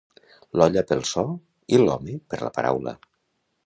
L'olla pel so, i l'home, per la paraula.